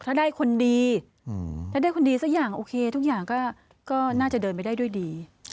ถ้าได้คนดีถ้าได้คนดีสักอย่างโอเคทุกอย่างก็น่าจะเดินไปได้ด้วยดี